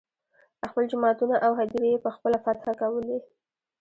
خپل جوماتونه او هدیرې یې په خپله فتحه کولې.